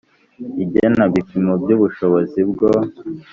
Igena ibipimo by ubushobozi bwo